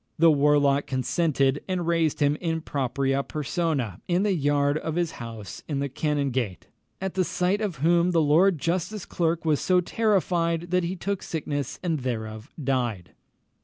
The warlock consented, and raised him in propriâ personâ in the yard of his house in the Canongate, "at sight of whom the Lord Justice Clerk was so terrified, that he took sickness and thereof died."